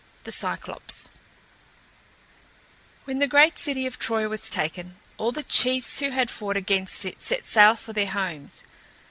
THE CYCLOPS When the great city of Troy was taken, all the chiefs who had fought against it set sail for their homes.